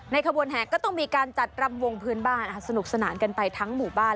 ขบวนแห่ก็ต้องมีการจัดรำวงพื้นบ้านสนุกสนานกันไปทั้งหมู่บ้าน